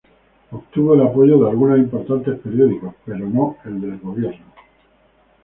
Obtuvo el apoyo de algunos importantes periódicos, pero no el del gobierno.